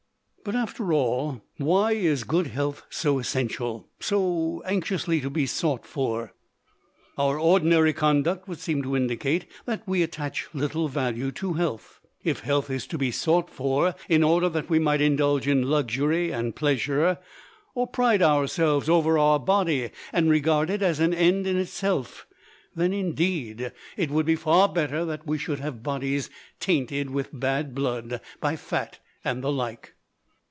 But, after all, why is good health so essential, so anxiously to be sought for? Our ordinary conduct would seem to indicate that we attach little value to health. If health is to be sought for in order that we might indulge in luxury and pleasure, or pride ourselves over our body and regard it as an end in itself, then indeed it would be far better that we should have bodies tainted with bad blood, by fat, and the like.